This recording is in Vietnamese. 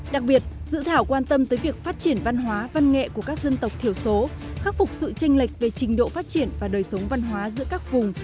đặc biệt dự thảo quan tâm tới việc phát triển văn hóa văn nghệ của các dân tộc thiểu số khắc phục sự tranh lệch về trình độ phát triển và đời sống văn hóa giữa các vùng